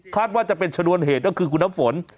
คาดว่าจะเป็นชะดวนเหตุนั่นคือคุณน้ำฝน